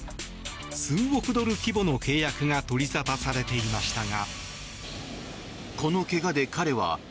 数億ドル規模の契約が取り沙汰されていましたが。